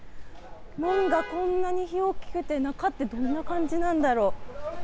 門がこんなに大きくて、中ってどんな感じなんだろ。